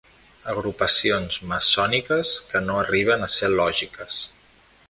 Agrupacions maçòniques que no arriben a ser lògiques.